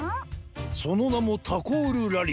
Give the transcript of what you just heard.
そのなもタコールラリー。